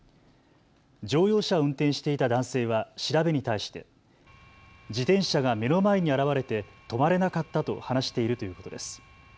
乗用車を運転していた男性は調べに対して自転車が目の前に現れて止まれなかったと話しているということです。